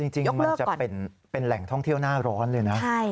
จริงมันจะเป็นแหล่งท่องเที่ยวหน้าร้อนเลยนะ